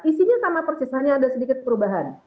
isinya sama persis hanya ada sedikit perubahan